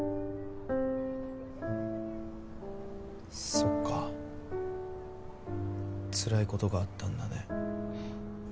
そっかつらいことがあったんだね。